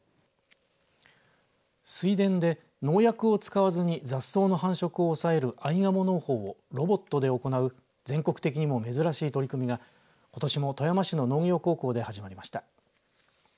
水田で農薬を使わずに雑草の繁殖を抑えるあいがも農法をロボットで行う全国的にも珍しい取り組みがことしも富山市の農業高校で始まりました。